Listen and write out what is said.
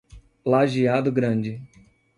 Lajeado Grande